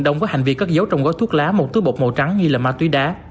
đông có hành vi cất giấu trong gói thuốc lá một túi bột màu trắng nghi là ma túy đá